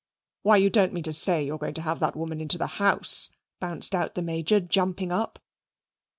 "Why, you don't mean to say you are going to have that woman into the house?" bounced out the Major, jumping up.